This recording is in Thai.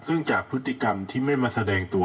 ซึ่งจากพฤติกรรมที่ไม่มาแสดงตัว